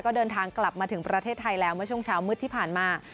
ก็เดินทางกลับมาถึงประเทศไทยแล้วเมื่อช่วงเช้ามืดที่ผ่านมา